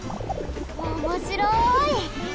おもしろい！